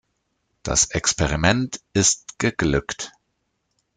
Das Experiment ist geglückt!